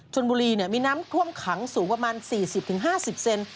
ชนบุรีมีน้ำท่วมขังสูงประมาณ๔๐๕๐เซน